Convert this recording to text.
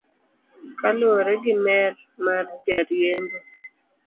Kaluwore gi mer mar joriembo.